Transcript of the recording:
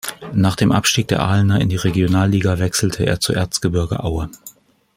Nach dem Abstieg der Ahlener in die Regionalliga wechselte er zu Erzgebirge Aue.